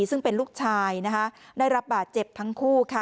ซึ่งเป็นลูกชายนะคะได้รับบาดเจ็บทั้งคู่ค่ะ